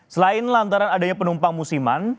selain lantaran adanya penumpang musiman